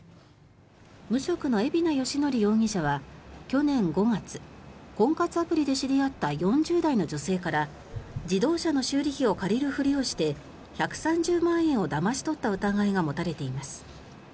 無職の海老名義憲容疑者は去年５月婚活アプリで知り合った４０代の女性から自動車の修理費を借りるふりをして１３０万円をだまし取った疑いが持たれています。